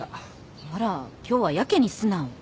あら今日はやけに素直。